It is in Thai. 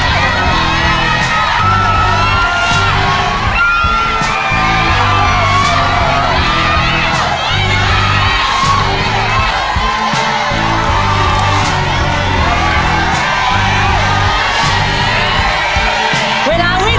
เวลาวิ่งมาแล้วเร็วเร็วครับจะหมดแล้ว